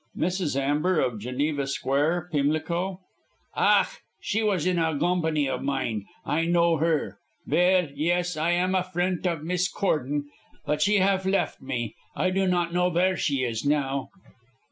"Mrs. Amber, of Geneva Square, Pimlico." "Ach, she was in a gombany of mine. I know her. Vell, yes, I am a frent of Miss Corton, but she haf left me. I do not know vere she is now."